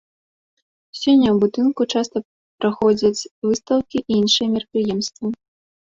Сёння ў будынку часта праходзяць выстаўкі і іншыя мерапрыемствы.